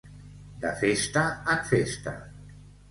De festa en festa.